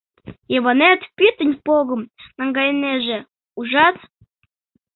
Йыванет пӱтынь погым наҥгайынеже, ужат...